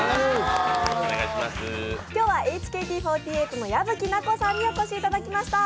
今日はＨＫＴ４８の矢吹奈子さんにお越しいただきました。